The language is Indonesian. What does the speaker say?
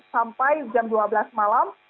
sampai jam dua belas malam